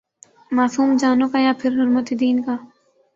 معصوم جانوں کا یا پھرحرمت دین کا؟